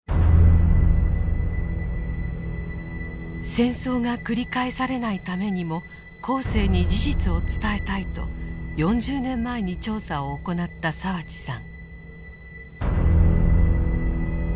戦争が繰り返されないためにも後世に事実を伝えたいと４０年前に調査を行った澤地さん。